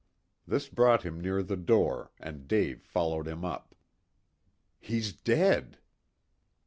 This brought him near the door, and Dave followed him up. "He's dead!"